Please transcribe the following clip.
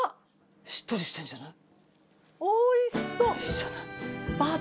しっとりしてるんじゃない？